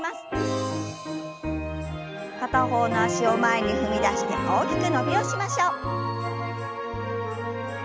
片方の脚を前に踏み出して大きく伸びをしましょう。